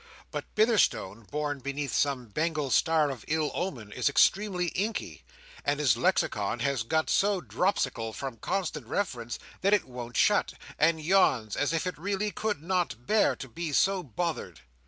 But Bitherstone, born beneath some Bengal star of ill omen, is extremely inky; and his Lexicon has got so dropsical from constant reference, that it won't shut, and yawns as if it really could not bear to be so bothered.